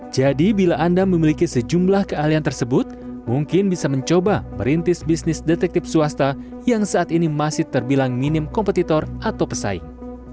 jadi bila anda memiliki sejumlah keahlian tersebut mungkin bisa mencoba merintis bisnis detektif swasta yang saat ini masih terbilang minim kompetitor atau pesaing